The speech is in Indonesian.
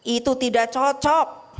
itu tidak cocok